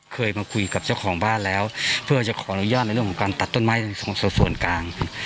เคยมาคุยกับเจ้าของบ้านแล้วเพื่อจะขออนุญาตในเรื่องของการตัดต้นไม้ในส่วนกลาง